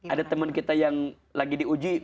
ada teman kita yang lagi diuji